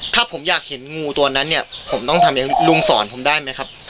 ถ้าผมอยากเห็นงูตัวนั้นเนี่ยผมต้องทำยังไงลุงสอนผมได้ไหมครับ